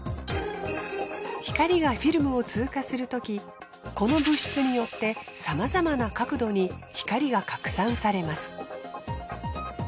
光がフィルムを通過するときこの物質によってさまざまな角度に光が拡散されます。